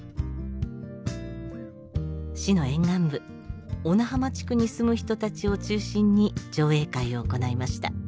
市の沿岸部小名浜地区に住む人たちを中心に上映会を行いました。